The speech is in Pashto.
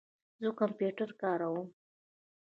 زه کمپیوټر کاروم